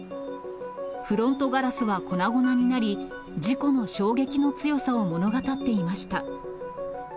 フロントガラスは粉々になり、事故の衝撃の強さを物語っていました。